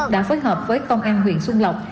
đã phối hợp với công an huyện xuân lộc